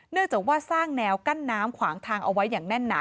เนื่องจากว่าสร้างแนวกั้นน้ำขวางทางเอาไว้อย่างแน่นหนา